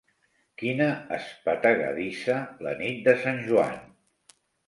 Quina espetegadissa, la nit de sant Joan!